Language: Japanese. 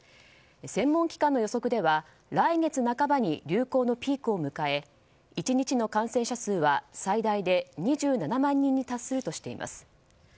専門機関の予測では来月半ばに流行のピークを迎え１日の感染者数は最大で２７万人に達するとしています。